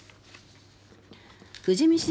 富士見市